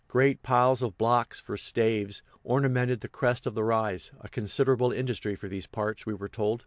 Great piles of blocks, for staves, ornamented the crest of the rise a considerable industry for these parts, we were told.